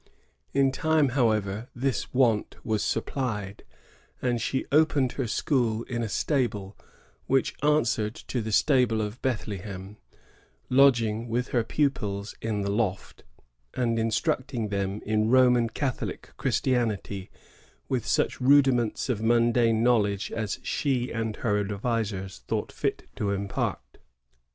In time, however, this want was supplied, and she opened her school in a stable, which answered to the stable of Bethlehem, lodging with her pupils in the loft, and instructing them in Roman Catholic Christianity, with such rudiments of mundane knowledge as she and her advisers thought fit to impart.